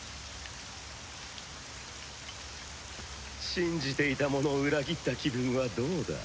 信じていた者を裏切った気分はどうだ？